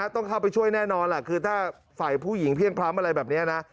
ต้องเข้าไปช่วยแน่นอนล่ะคือถ้าฝ่ายผู้หญิงเพลี่ยงพล้ำอะไรแบบนี้นะ